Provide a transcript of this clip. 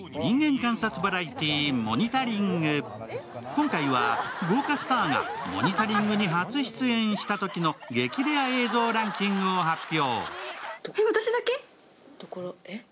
今回は豪華スターが「モニタリング」に初出演したときの激レア映像ランキングを発表。